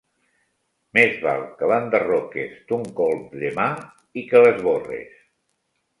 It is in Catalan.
Més val que l'enderroques d'un colp de mà, i que l'esborres.